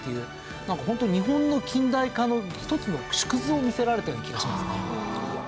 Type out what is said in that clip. なんかホント日本の近代化の一つの縮図を見せられたような気がしますね。